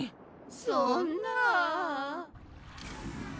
そんな。